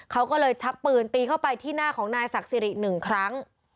เขาก็เลยชักปืนตีเข้าไปที่หน้าของนายศักดิ์สิริหนึ่งครั้ง